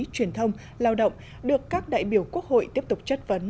truyền thông lao động được các đại biểu quốc hội tiếp tục chất vấn